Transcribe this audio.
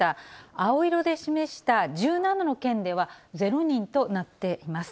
青色で示した１７の県では０人となっています。